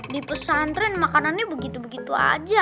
dipesantren makanannya begitu begitu aja